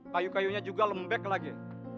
kayu kayunya juga lembek lagi